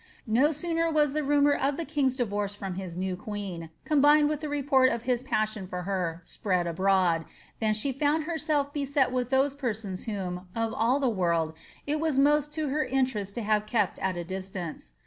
No sooner was the nimoar of the king's divorce from his new qneen, combined with the report of his passion for her, spread abroad, than she found herself beset with those persons whom, of all the world, it was most to her interest to have kept at a distance.